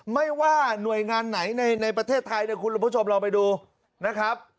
ไม่ว่าหน่วยงานไหนในประเทศไทยเนี่ยคุณผู้ชมลองไปดูนะครับ